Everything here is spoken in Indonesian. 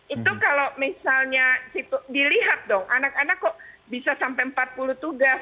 itu kalau misalnya dilihat dong anak anak kok bisa sampai empat puluh tugas